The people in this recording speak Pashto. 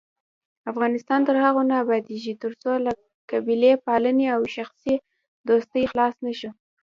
افغانستان تر هغو نه ابادیږي، ترڅو له قبیلې پالنې او شخصي دوستۍ خلاص نشو.